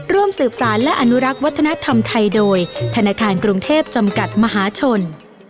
ร่วมสืบสารและอนุรักษ์วัฒนธรรมไทยโดยธนาคารกรุงเทพจำกัดมหาชน